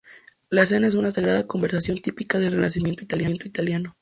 La escena es una sagrada conversación típica del Renacimiento italiano.